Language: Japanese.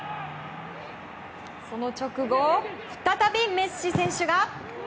その直後再びメッシ選手。